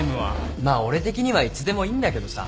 まあ俺的にはいつでもいいんだけどさ。